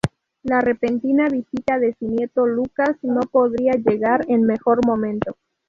La repentina visita de su nieto Lucas no podría llegar en mejor momento.